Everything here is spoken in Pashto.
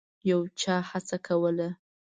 یو چا هڅه کوله.